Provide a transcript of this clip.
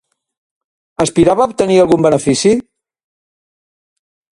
Aspirava a obtenir algun benefici?